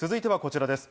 続いてはこちらです。